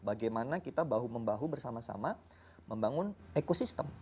bagaimana kita bahu membahu bersama sama membangun ekosistem